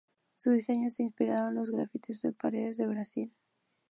Su diseño está inspirado en los grafitis de las paredes de Brasil.